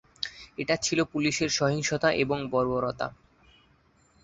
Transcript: এটা ছিল পুলিশের সহিংসতা এবং বর্বরতা।